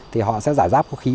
thì họ sẽ giải giáp vũ khí